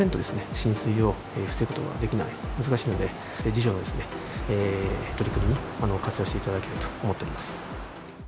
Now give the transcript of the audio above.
浸水を防ぐことはできない、難しいので、自助の取り組みに活用していただけると思っております。